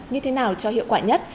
như thế nào cho hiệu quả nhất